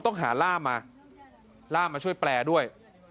ต้องหาล่ามมาล่ามมาช่วยแปลด้วย